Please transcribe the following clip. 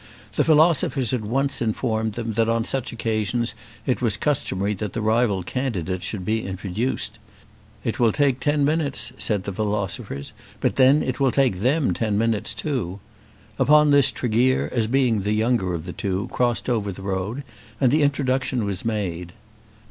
The philosophers at once informed them that on such occasions it was customary that the rival candidates should be introduced. "It will take ten minutes," said the philosophers; "but then it will take them ten minutes too." Upon this Tregear, as being the younger of the two, crossed over the road, and the introduction was made.